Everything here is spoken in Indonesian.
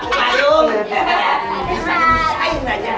bisa nyembesin aja